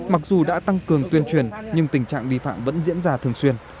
mặc dù đã tăng cường tuyên truyền nhưng tình trạng vi phạm vẫn diễn ra thường xuyên